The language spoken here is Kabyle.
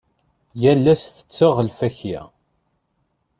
Yal ass tetteɣ lfakya.